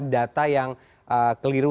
data yang keliru